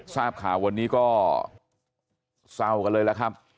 ทราบข่าววันนี้ก็เศร้ากันเลยล่ะครับ